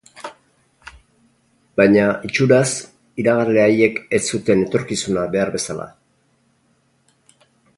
Baina, itxuraz, iragarle haiek ez zuten etorkizuna behar bezala.